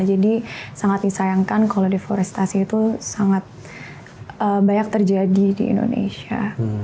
jadi sangat disayangkan kalau deforestasi itu sangat banyak terjadi di indonesia